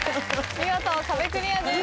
見事壁クリアです。